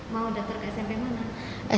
mau daftar ke smp mana